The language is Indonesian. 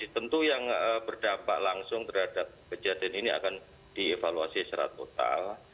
tentu yang berdampak langsung terhadap kejadian ini akan dievaluasi secara total